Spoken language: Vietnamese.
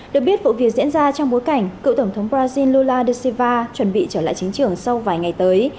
được biết vụ việc diễn ra trong bối cảnh cựu tổng thống brazil lula da silva chuẩn bị trở lại chiến trường sau vài ngày tới